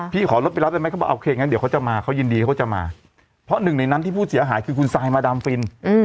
พี่ขอรถไปรับได้ไหมขอโอเคงั้นเขาจะวิักษ์หรือก็จะมาเพราะหนึ่งในนั้นที่ผู้เสียหายคือคุณไซมดรฟิลล์